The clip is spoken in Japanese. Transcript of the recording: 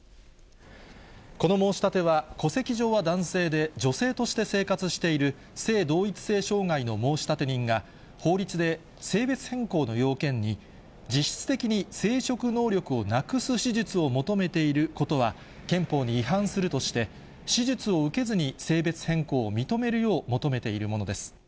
この申し立ては戸籍上は男性で、女性として生活している性同一性障害の申立人が、法律で性別変更の要件に、実質的に生殖能力をなくす手術を求めていることは、憲法に違反するとして、手術を受けずに性別変更を認めるよう求めているものです。